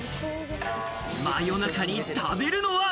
真夜中に食べるのは。